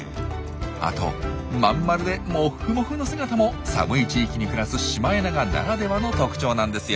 あとまん丸でモフモフの姿も寒い地域に暮らすシマエナガならではの特徴なんですよ。